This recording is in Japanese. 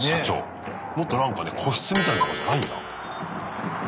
もっとなんかね個室みたいなとこじゃないんだ。